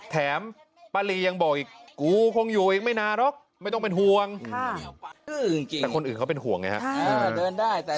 แถมป้าลียังบอกอีกกูคงอยู่อีกไม่นานหรอกไม่ต้องเป็นห่วงแต่คนอื่นเขาเป็นห่วงไงฮะ